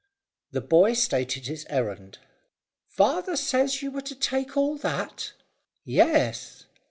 The boy stated his errand. "Father says you were to take all that?" "Yes."